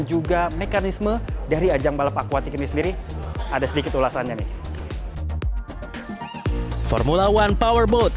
juga mekanisme dari ajang balap akuatik ini sendiri ada sedikit ulasannya nih formula one powerboat